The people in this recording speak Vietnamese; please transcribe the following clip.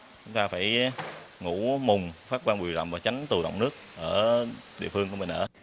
chúng ta phải ngủ mùng phát quang bùi rộng và tránh tù động nước ở địa phương của mình ở